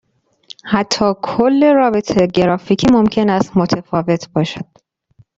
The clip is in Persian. حتی کل رابط گرافیکی ممکن است متفاوت باشد.